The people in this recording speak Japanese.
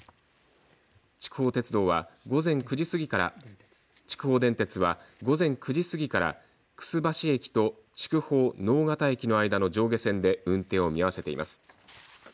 筑豊鉄道は午前９時過ぎから筑豊電鉄は午前９時過ぎから楠橋駅と筑豊野方駅の間の上下線で運転を見合わせています。